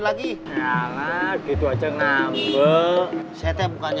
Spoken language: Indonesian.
kagal kemarin pasti ada bunganya